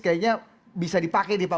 kayaknya bisa dipakai nih pak